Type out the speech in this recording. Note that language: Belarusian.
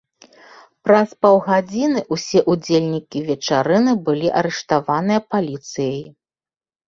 Праз паўгадзіны ўсе ўдзельнікі вечарыны былі арыштаваныя паліцыяй.